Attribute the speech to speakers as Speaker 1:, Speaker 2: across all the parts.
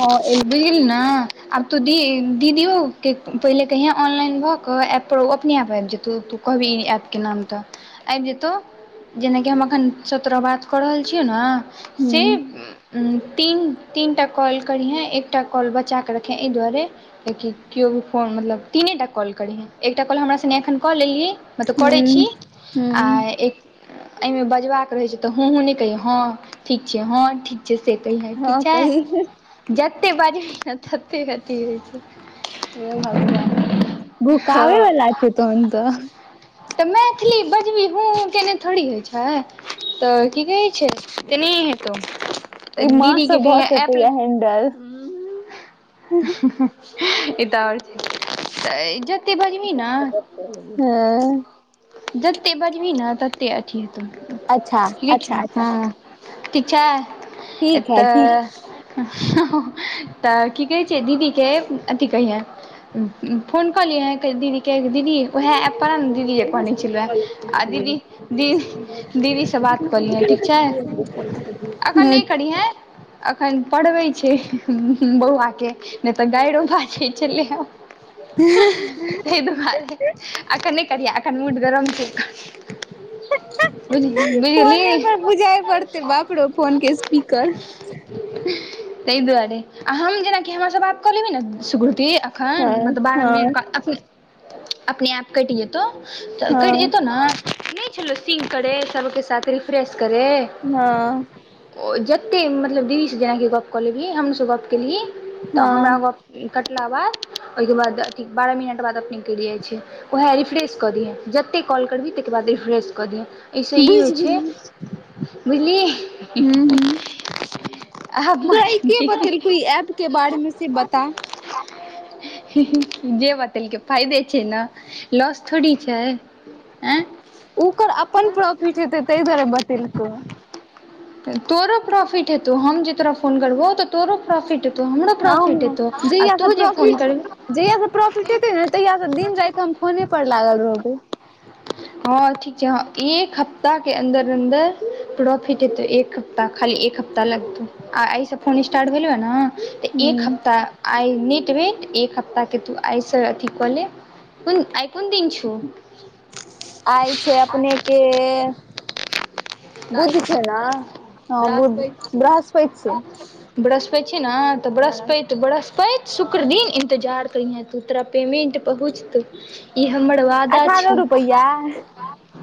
Speaker 1: हँ एली
Speaker 2: बुझि गेलही ने आब तू दी दीदिओ के पहिले कहियें ऑनलाइन भऽ कऽ एप पर ओ अपने आप आबि जेतौ तू कहबिही ऐप के नाम तऽ आबि जेतौ? जेना कि हम अखन चतरा बात कऽ रहल छियै न,
Speaker 1: हूं
Speaker 2: सेम तीन तीनटा कॉल करिहेँ एकटा कॉल बचा कऽ रखिहे एहि दुआरे लेकिन किओ फोन मतलब तीने टा कॉल करिहें, एकटा कॉल हमरा सेने एखन कऽ लेलही मतलब करै छी आ
Speaker 1: हूं
Speaker 2: एक ऐईमे बजबाक रहई छै तऽ हूँ हूँ नए कहियै, हँ ठीक छियै हँ ठीक छियै से कहियै ठीक
Speaker 1: हँ
Speaker 2: छै,
Speaker 1: कही
Speaker 2: जते बजबिही ने तते अथि होइ छै।
Speaker 1: हे भगवान भुकाबे
Speaker 2: हँ
Speaker 1: वला छै तोहन तऽ
Speaker 2: तऽ मैथिली बजबीहि, हुं हुं केने थोड़ी होइ छै। तऽ की कहै छै, ऐनाहै हेतौ। तऽ
Speaker 1: ई मा से
Speaker 2: दीदीके
Speaker 1: भ
Speaker 2: कहिया ऐप
Speaker 1: सकैये हैंडल, उं।
Speaker 2: हु हु - ई तऽ और जते बजबिही ने
Speaker 1: [unintelligible] हैं
Speaker 2: जतै बाजबीहि नए तते अथी हेतो,
Speaker 1: अच्छा
Speaker 2: लिखना
Speaker 1: अच्छा अच्छा
Speaker 2: हां। ठीक छै,
Speaker 1: ठीक है
Speaker 2: एतह
Speaker 1: ठीक
Speaker 2: हॅ--हॅ, तऽ की कहै छै दीदी के अथि कैहियै। उ-हू फोन कलिहें दीदी के दीदी उहे एपपन दीदी दीदीए कहने तलैया, आ दीदी दीन दीदी सॅ बात कलिहैन ठीक छैय। अखन नैय करीहैं। अखन पढ़बे छै बौआ के, नैय तऽ गाइरो मारि के छलैयहै, तैय दुआरे अखन नैय करिहै, अख मुड गरम छैय एखन। बुझ-
Speaker 1: फोने
Speaker 2: बुझगेलही [unintelligible]
Speaker 1: पर
Speaker 2: [unintelligible]
Speaker 1: बुझाइ पड़तै बाप रौ फोन के स्पीकर
Speaker 2: तैय दुआरे, आ हम जेनाकि हमरा स बात कऽ लेबहीन सुग्रुति।
Speaker 1: हँ
Speaker 2: एखन मत बारह मिनट
Speaker 1: हँ
Speaker 2: का अपने, अपनेआप कैट जेतौउ, त कैट
Speaker 1: हँ
Speaker 2: जेतौ ने। नान, नैय छेलौ सींक करै सबके साथ रिफ्रेश करै
Speaker 1: ना।
Speaker 2: ओ जतै मतलब दीदी सँ जेनाकि गप्प कऽ लेबही, हमरो स गप्प केलहि तऽ
Speaker 1: हँ
Speaker 2: हमरा गप्प इ कटला बाद ओय के बाद अथी बारह मिनट बाद अपने कैट जाय छै, वएह रिफ्रेश कऽ दिहैन, जते कॉल करबी तहिके बाद रिफ्रेेश कऽ दिहैन। एहि सँ ई होय
Speaker 1: बुझि
Speaker 2: छै,
Speaker 1: गेलियै
Speaker 2: बुझलिही।
Speaker 1: हूं हूं
Speaker 2: आब
Speaker 1: तोरा ई के
Speaker 2: मारके
Speaker 1: बतेलकौ ई ऐप के बारे मे से बता।
Speaker 2: ही-ही, जे बतेलकै फायदे छै न, लाॅस थोड़ी छै, आँए
Speaker 1: उकर अप्पन प्रोफिट हेतै तैय दुआरे बतेलको।
Speaker 2: तोरो प्रोफिट हेतौ, हम जे तोरा फोन करबो त तोरो प्रोफिट, हेतौ हमरो
Speaker 1: हँ
Speaker 2: प्रॉफिट
Speaker 1: हँ
Speaker 2: हेतौ, आ
Speaker 1: जहिया से
Speaker 2: तू जे फोन
Speaker 1: प्रॉफिट
Speaker 2: करबि
Speaker 1: जहिया सँ प्रॉफिट हेतै ने तहिया सँ दिन राइत हम फोने पर लागल रहबै।
Speaker 2: हँ ठीक छै हँ, एक हप्ताह के अन्दर -अन्दर प्रॉफिट हेतैय एक ता खाली एक हफ्ता लगतौ, आ एहि सँ फोन स्टार्ट भेलौ या नअ। एक
Speaker 1: ह
Speaker 2: हप्ताह आय नेटवेट, एक हप्ताह के तु आय स ठीक क ले, कोन आय कोन दीन छो।
Speaker 1: आय छै अपने के बुध छै न, हाॅ बुध, बरह्सपैत छैय।
Speaker 2: बृहस्पैत छी ना, तऽ बृहस्पैत तुऽ बृहस्पति, शुक्र दिन इन्तजार करिहे तू, तोरा पेमेन्ट पहुँचतौ। ई हमर वादा
Speaker 1: अठारह
Speaker 2: छौ।
Speaker 1: रुपैआ
Speaker 2: [unintelligible]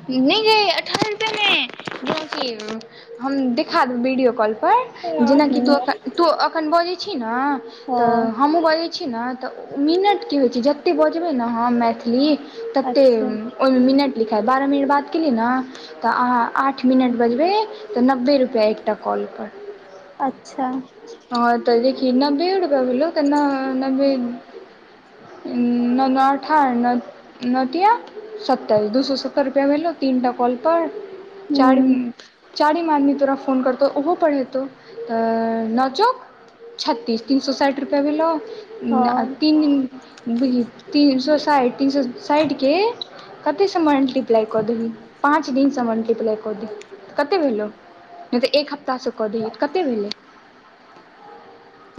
Speaker 2: नैय गे अठारह रुपया में, ब्लाउज सिएलहूॅ। हम देखा देब वीडियो कॉल पर जेनाकि तु अखन-तु अखन बजै छी ने त
Speaker 1: हँ
Speaker 2: हमहुूँ बजै छी न तऽ मिनट की होय छै, जते बजबै ने हम मैथिली ततेब,
Speaker 1: अच्छा
Speaker 2: ओयमे मिनट लिखैत, बारह मिनट बात केलीयै न तऽ आहाँ आठ मिनट बजबै, तऽ नब्बे रुपैया एकटा कॉल पर।
Speaker 1: अच्छा।
Speaker 2: हँ तऽ देखि नब्बे रुपया भेलो न नब्बे--उ न -न अठारह न-न तिया सत्ताइस, दू सौ सत्तर रू तोरा भेलौ तीनटा कॉल पर,
Speaker 1: ह
Speaker 2: चारिम चारिम आदमी तोरा फोन करतौ ओहो पर हेतौ त, न चौक छ्तीस, तीन सौ साइठ रुपया भेलौ, आ
Speaker 1: हँ
Speaker 2: तीन दिन। तीन सौ साइठ, तीन सौ साइठ के कते स मल्टी प्लाइ कऽ देलही, पाँच दिन सँ मलटिप्लाइ कऽ दीही, तऽ कते भेलौ? नैय तऽ एक हफ्ता सँ कऽ दैैही, तऽ कते भेलै?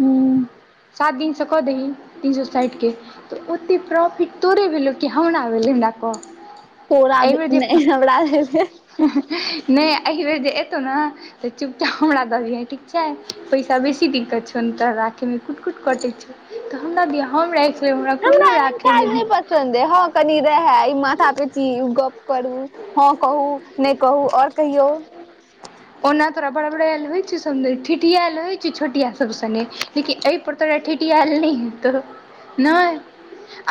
Speaker 1: हूँ।
Speaker 2: सात दिन सँ कऽ दही, तीन सो सैठ के। तऽ ओते प्रॉफिट तोरे भेलौ, कि हमरा भेलै हमरा कह?
Speaker 1: तोरा भे नै हमरा भैलए।
Speaker 2: नै एहिबेर जे एतौ न तऽ चुपचाप हमरा दऽ दिहे ठीक छै पैसा बेसी दिक्कत छौ ने तोरा राखेमे। कुट - कुट कटै छै, तऽ हमरा दिहे हम राइख
Speaker 1: हमरा एहन काज नै पसन्द ऐय, ह कनि रेहे इ माथा पेची गप करू। ह कहू नै कहू और कहियौ।
Speaker 2: ओना तोरा बड़बरेल होइ छौ, समदेर ठिठियेल होइ छै छोटिया सब सने। एहि पर तोरा ठिठियेल नै हेतौ नय।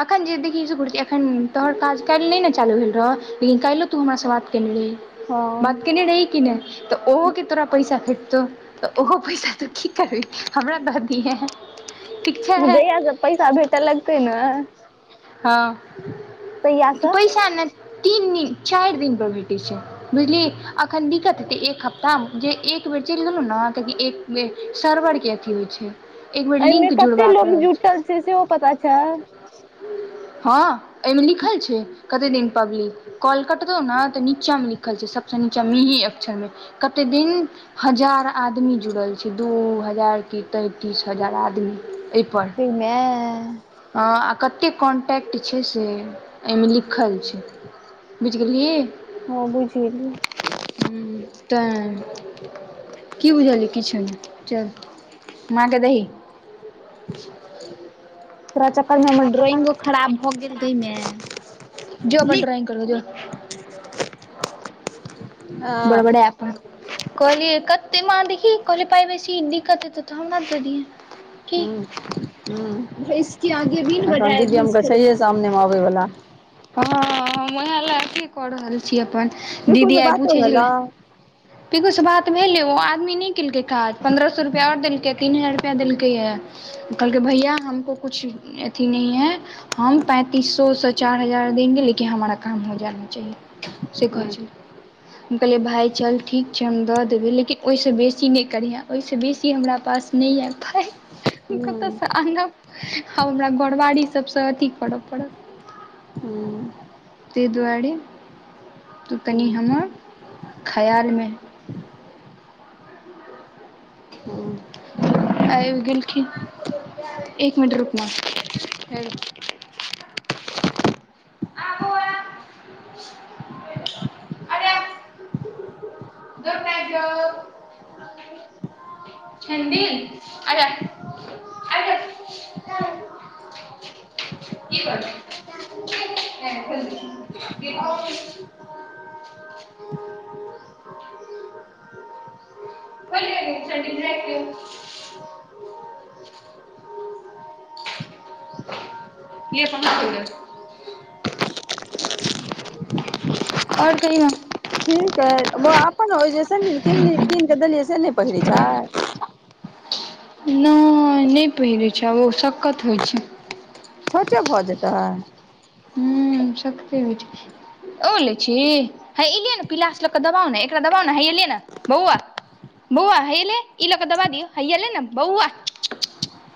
Speaker 2: अखन जे देखिय एखन तोहर काज काइल नै ने चालू भेल रहौ, लेकिन काईलो तू हमरा सँ बात केने रही,
Speaker 1: हँ
Speaker 2: बात केने रही कि नै? तऽ ओहोके तोरा पैसा भेटतौ, तऽ ओहो पैसा तू की करबी हमरा द दिहे।
Speaker 1: जैइहा स पैसा भेट लगतै न
Speaker 2: ह
Speaker 1: तहिया से
Speaker 2: पैसा ने। तीन दिन, चैर दिन पर भेटै छै। बुझलिही अखन दिक्कत हेतै एक हफ्ताह, जे एक बेर चैल गेलऊ न, त इ एक मे सर्वर के अथी होइ छै। एक बेर
Speaker 1: ऐयमे
Speaker 2: लिंक
Speaker 1: कते
Speaker 2: जुड़बाक
Speaker 1: लोग
Speaker 2: रहै
Speaker 1: जुटल छै सेहो पता छौ।
Speaker 2: ह ऐय मे लिखल छै। कते दिन पब्लिक। कल कटतौ न तऽ नीचा मे लिखल छै, सबस नीचा मिहि अक्षर मे। कते दिन हजार आदमी जुड़ल छै, दू हजार के तैय तीस हजार आदमी।
Speaker 1: गई मेए।
Speaker 2: ह आ कते कॉन्टैक्ट छै, से ऐय मे लिखल छै। बुझीगेलही।
Speaker 1: ह बुझि गेलियइ।
Speaker 2: तऽ की बुझलही किछो नै, चल। माँ के दही।
Speaker 1: तोरा चक्कर मे हमर ड्रॉइंगो खराब भऽ गेल गै मेंए।
Speaker 2: जो अपन ड्राइंग करग जो।
Speaker 1: [unintelligible]
Speaker 2: बड़बरे अपन। कहलिय कते माँ देखी कहली पाय बेसी दिक्कत हेतै तऽ हमरा दऽ दिहे।
Speaker 1: हु
Speaker 2: की
Speaker 1: - हु अखन दिव्यम के छैहीए सामने में आब वला।
Speaker 2: ह हम ओहे लेए अथी कऽ रहल छी अपन,
Speaker 1: बिलकुल
Speaker 2: दीदी
Speaker 1: से
Speaker 2: आय
Speaker 1: बातो
Speaker 2: पूछै
Speaker 1: भेलौ
Speaker 2: छलै। पिकु स बात भेलये ओ आदमी नै केलकै काज, पन्द्रह सो रुपैआ और देलकैए तीन हजार रुपैआ देलकैये। कहलकै, भैया हमको कुछ अथी नहि है हम पैंतीस सोसँ चार हजार देंगे लेकिन हमारा काम हो जाना चाहिए [unintelligible] से
Speaker 1: हूं
Speaker 2: कहै छलैय। हम कहलियए भाइ चल ठीक छै। हम दऽ देबै लेकिन ओहिसँ बेसी नइ करिहँ ओहिसँ बेसी हमरा पास नहि आबतै। कतयसँ
Speaker 1: हूं
Speaker 2: आनब आब हमरा घरवाड़ी सभसँ अथी करऽ पड़त।
Speaker 1: हू।
Speaker 2: ताहि दुआरे तू कनि
Speaker 1: हूं
Speaker 2: हमर खयालमे
Speaker 1: ह।
Speaker 2: आब गेलखिन। एक मिनट रुक। आबु। जर प छ। [unintelligible] क कर भोलिए गेल। ई समझै। आओर कहियो न।
Speaker 1: ठीक हइ बौ अपन ओ जैस किनलियै। कीन कऽ देलियै से नहि पहिरैत छै।
Speaker 2: नहि नहि पहिरैत छै। आब ओ सक्कत होइ छै।
Speaker 1: छोटे भऽ जेतै।
Speaker 2: ह शक्ती ओलै छी। हे एयलियै ने पिलासँ लके दबाव ने। एकरा दबाव ने हे एलियै ने बौआ बौआ हेले ई लऽ कऽ दबा दिौ हेयएले ने बौआ।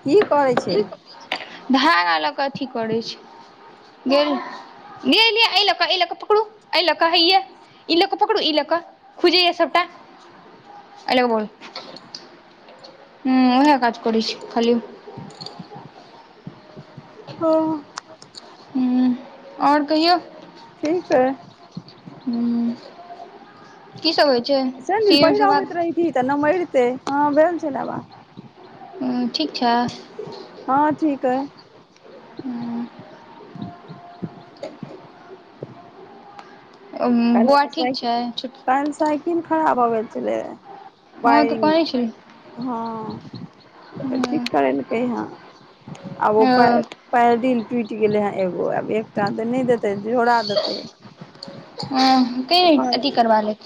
Speaker 1: की करै छै।
Speaker 2: धागा लऽ क अथी करै छै गेल। नहि नहि अ लका ए लक पकड़ू एहि लका हीय ई लऽ कऽ पकड़ू। ई लऽ कऽ खुजे य सबटा अ ल बोल ह उएह काज कर छी। खाली [inaudible]
Speaker 1: त
Speaker 2: ह आओर कहियौ।
Speaker 1: ठीक हइ।
Speaker 2: ह की सब होइ छै।
Speaker 1: सैंडिल
Speaker 2: सी एम
Speaker 1: पहिर
Speaker 2: सँ
Speaker 1: अबैत
Speaker 2: बात
Speaker 1: रहहिथि। तऽ न मरितै हँ भेल छल। आाबा
Speaker 2: ह ठीक छ।
Speaker 1: हँ ठीक है।
Speaker 2: हँ। [inaudible] बौआ ठीक छै?
Speaker 1: पनस िन खराब आबैत छलै।
Speaker 2: हँ तऽ
Speaker 1: वायरिंग
Speaker 2: कहने छली
Speaker 1: हँ। पच्ची
Speaker 2: हूँ
Speaker 1: करलकै। या आब ओप
Speaker 2: हँ
Speaker 1: पैडिल टूटि गेले। हे एगो आब एकटा तऽ नहि देते झोड़ा देते।
Speaker 2: ह क अथ कर ले।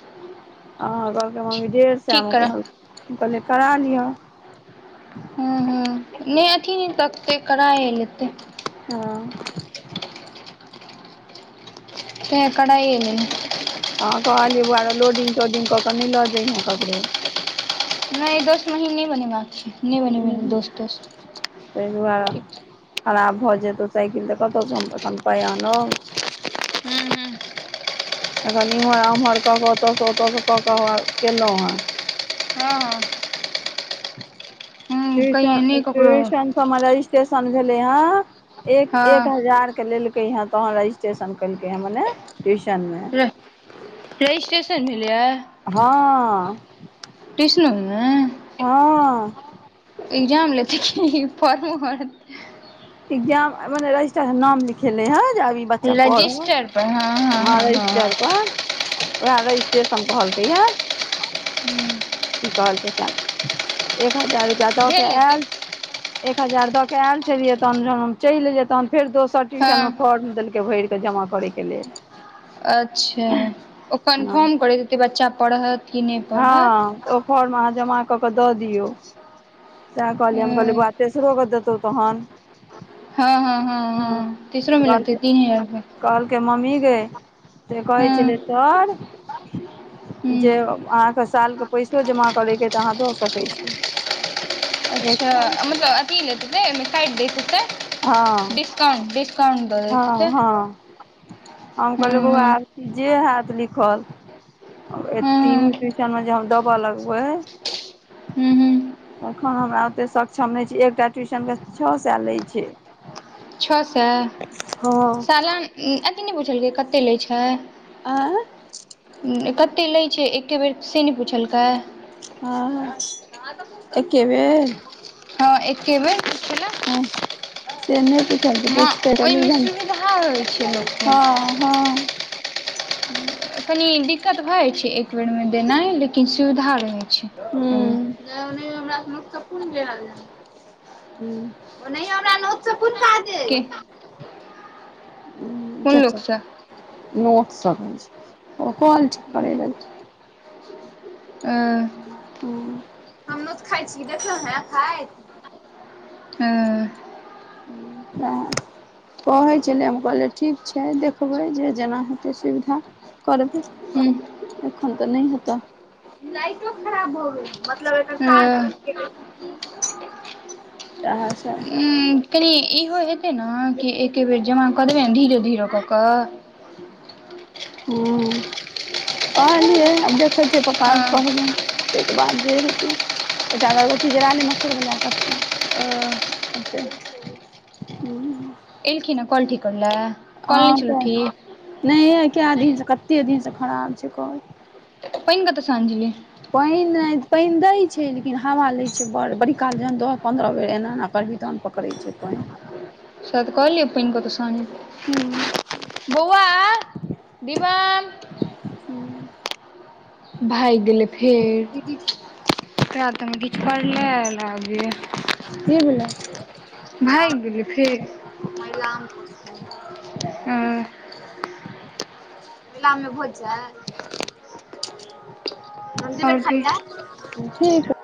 Speaker 1: अहाँ कहलकै। मम्मी डेढ़
Speaker 2: ठीक
Speaker 1: सएमे
Speaker 2: करब
Speaker 1: कहल कहलिय करा लिअ।
Speaker 2: ह ह नहि अथी नहि सतै करााय लेतै।
Speaker 1: हँ।
Speaker 2: त ह कना यल
Speaker 1: हँ कहलियै बौआरो लोडिंग तोडिंग कऽ कऽ नहि लऽ जइहे ककरो
Speaker 2: नहि दोस्त महीन नहि बनेबाक छै। नहि बनी म
Speaker 1: हूँ
Speaker 2: दोस्त दोस्त
Speaker 1: ताहि दुआरे
Speaker 2: ठीक
Speaker 1: खराब भऽ जेतौ साइकिल तऽ कतऽ स हम अखन पाइ आनब
Speaker 2: हू हू
Speaker 1: एखन इम्हर ओम्हर कऽ के ओतऽ स ओतऽ स‌ कऽ के कलौ हे
Speaker 2: हँ ह
Speaker 1: ट्य
Speaker 2: कहियै नहि ककरो
Speaker 1: ट्यूशन सब मे रजिस्ट्रेशन भेले ह एक एक
Speaker 2: हँ
Speaker 1: हजार के लेलक हँ तोहन रजिस्ट्रेशन केलकै हे मने ट्यूशन मे
Speaker 2: रजिस्ट्रेशन भेलैए
Speaker 1: हँ
Speaker 2: ट्यूशन मे
Speaker 1: हँ
Speaker 2: [unintelligible]
Speaker 1: इगजाम‌ आब बला अछि। तहन नाम लिखेले हे जे आब ई बच्चा पढ़त
Speaker 2: रजिस्टर पर हँ हँ
Speaker 1: ह
Speaker 2: हँ हँ हँ
Speaker 1: रजिस्टर पर वै रजस्टेशन कहलकै यै
Speaker 2: हूँ
Speaker 1: की कहलकै कियाने एक हजार रुपआ द के
Speaker 2: भेल हेतै
Speaker 1: ऐल एक हजार दऽ के ऐल छलियै तहन जहन हम चलि एलिये तहन फेर दोसर ट्यूशन मे
Speaker 2: हँ
Speaker 1: फॉर्म देलकै भरिके जमा करे के लेल
Speaker 2: अच्छा ओ
Speaker 1: हँ
Speaker 2: कन्फर्म करैत हतै बच्चा पढ़त कि नहि
Speaker 1: हँ ओ फॉर्म अहाँ जमा कऽ के दऽ दियौ सेह कहलियै हम कहलिये ब
Speaker 2: पढ़त
Speaker 1: तेसरो गो देतौ तहन
Speaker 2: हँ हँ हँ हँ तीसरो मे लगतेै
Speaker 1: कहलकै
Speaker 2: तीन हजार रुपेया
Speaker 1: कहलकै मम्मी गे से कहै
Speaker 2: हँ
Speaker 1: छलै सर
Speaker 2: हूँ
Speaker 1: जे अहाँके साल के पैसो जमा करैके तऽ अहाँ दऽ सकैऽ छी। एक
Speaker 2: अच्छा
Speaker 1: साल
Speaker 2: मतलब अथी लेत हेतय ओय मे साड दैत हैतय
Speaker 1: हँ
Speaker 2: डिस्काउंट डिस्काउट दऽ दैत
Speaker 1: हँ
Speaker 2: हेतई
Speaker 1: हँ हम कहलियौ बौआ आरती जे हत लिखल तीनू
Speaker 2: हूँ
Speaker 1: ती
Speaker 2: हूँ
Speaker 1: सब मे जे हम दब लगबै
Speaker 2: हू हू
Speaker 1: तखन हमरा ओतेक सक्षम नहि छी एकटा ट्यूशनके छः सै लैय छै
Speaker 2: छः सै
Speaker 1: हँ
Speaker 2: सालाना अथी नहि पुछलकै कतै लै छै।
Speaker 1: आ
Speaker 2: कतै लै छै एके बेर से नहि पुछलकै
Speaker 1: हँ ह एके बेर
Speaker 2: हँ एके बेर पुछलक
Speaker 1: हँ से नहि पुछलके
Speaker 2: माँ
Speaker 1: पूछ तऽ
Speaker 2: ओहिमे सुविधा होइ छै
Speaker 1: [unintelligible]
Speaker 2: लोकके
Speaker 1: हँ हँ
Speaker 2: कनि दिक्कत भऽ जाइ छै एक बेरमे देनाइ लेकिन सुविधा रहै छै।
Speaker 1: हू
Speaker 2: ओहिमे
Speaker 1: नै ओ नै हमरा नतसँकून भेल ओनाहि हमरा न लोक
Speaker 2: के कोन
Speaker 1: चच्चा
Speaker 2: लोकसँ
Speaker 1: नोट सब ओ कोल ठीक करै रहल
Speaker 2: अ
Speaker 1: हं हम नोत खाय छी देखलहु हैं खाइत
Speaker 2: हँ
Speaker 1: त कहै छलै हम कहलियै ठीक। छै देखबै जे जेना हेतै सुविधा करबै।
Speaker 2: हूँ
Speaker 1: एखन तऽ नहि हेत, लाईटो खराब भ गेल मतलब
Speaker 2: अ
Speaker 1: [unintelligible]
Speaker 2: कनि इहो हेतै ने कि एके बेर जमा कऽ देबै ने धीरे धीरे कऽ कऽ
Speaker 1: हूं कहलीयै आब देखै छियै पप्पा बात कहबनि ताहिके बाद जे हेतै, एकटा अगरबत्ती जराले मच्छर बला कटतौ [unintelligible] हूं
Speaker 2: एलखिन हे कौल ठीक करै ले?
Speaker 1: हँ तऽ नहि आय कै दिन से कते दिन से खराब छै कौल।
Speaker 2: पाइन कतऽ स अआनै छलियै?
Speaker 1: पानि पानि दै छै लेकिन हवा लै छै बड़ बड़ी काल जखन दस पन्द्रह बेर एना एना करभी तहन पकड़ै छै पानि।
Speaker 2: सैह त कहलीयौ पाइन कतऽ स आनी, बौआ विवान
Speaker 1: हूं
Speaker 2: भागि गेलै
Speaker 1: की
Speaker 2: फेर ओकरा तऽमे किछु परलै आइ लागैयै।
Speaker 1: भेलै
Speaker 2: भागि गेलै फेर।
Speaker 1: मैलाम पोस
Speaker 2: उम्म्
Speaker 1: मैलाम मे भोज छै? हम जेवै
Speaker 2: आओर
Speaker 1: खाय
Speaker 2: की
Speaker 1: ले ठीक